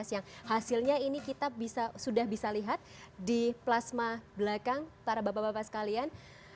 yang hasilnya ini kita sudah bisa lihat di plasma belakang para bapak bapak sekalian